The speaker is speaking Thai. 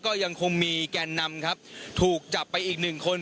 ก็ยังคงมีแกนนำครับถูกจับไปอีกหนึ่งคน